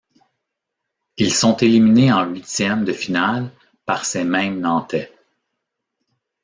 Ils sont éliminés en huitièmes de finale par ces mêmes nantais.